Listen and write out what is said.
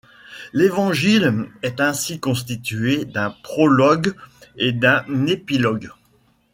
L'évangile est ainsi constitué d'un prologue et d'un épilogue.